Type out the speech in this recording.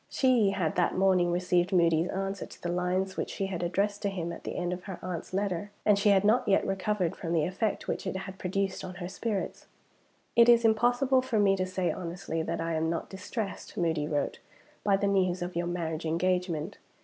She had that morning received Moody's answer to the lines which she had addressed to him at the end of her aunt's letter; and she had not yet recovered from the effect which it had produced on her spirits. "It is impossible for me to say honestly that I am not distressed (Moody wrote) by the news of your marriage engagement.